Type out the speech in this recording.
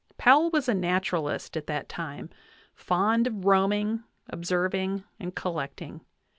Powell was a naturalist at that time, fond of roaming, observing, and collecting.